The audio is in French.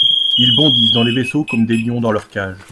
Ils bondissent dans les vaisseaux comme des lions dans leur cage.